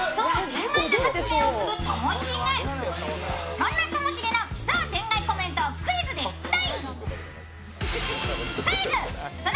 そんなともしげの奇想天外コメントをクイズで出題。